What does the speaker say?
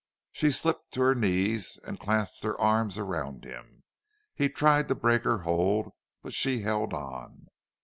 She slipped to her knees and clasped her arms around him. He tried to break her hold, but she held on.